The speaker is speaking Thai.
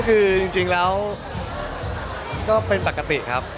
คือจริงแล้วก็เป็นปกติครับ